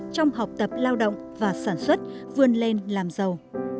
trong học tập lao động và sản xuất vươn lên làm giàu